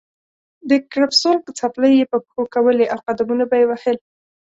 د کرپسول څپلۍ یې په پښو کولې او قدمونه به یې وهل.